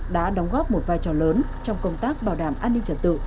đã đóng góp một vai trò lớn trong công tác bảo đảm an ninh trật tự